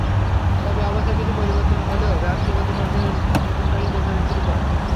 তবে অবস্থার কিছুটা পরিবর্তন হলেও ব্যক্তিগত পর্যায়ে নতুন গাড়ির বেচাবিক্রি কম।